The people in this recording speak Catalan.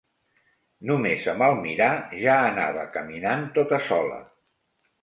No més amb el mirar ja anava caminant tota sola.